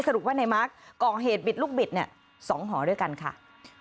สรุปว่าในมาร์คก่อเหตุบิดลูกบิด๒หอด้วยกันค่ะ